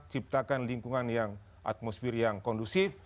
ciptakan lingkungan yang atmosfer yang kondusif